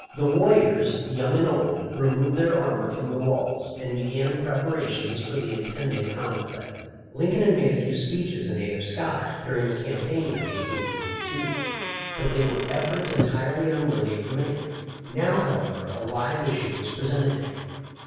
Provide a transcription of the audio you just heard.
The warriors, young and old, removed their armor from the walls, and began preparations for the impending conflict. Lincoln had made a few speeches in aid of Scott during the campaign of 1852, but they were efforts entirely unworthy of the man. Now, however, a live issue was presented to him.